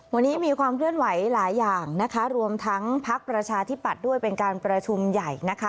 วันนี้มีความเคลื่อนไหวหลายอย่างนะคะรวมทั้งพักประชาธิปัตย์ด้วยเป็นการประชุมใหญ่นะคะ